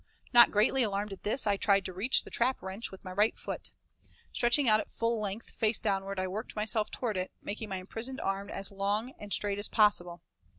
Not greatly alarmed at this, I tried to reach the trap wrench with my right foot. Stretching out at full length, face downward, I worked myself toward it, making my imprisoned arm as long and straight as possible.